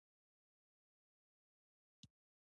په غم او ښادۍ کې ټول شریک دي.